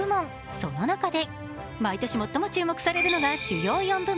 その中で、毎年最も注目されるのが主要４部門。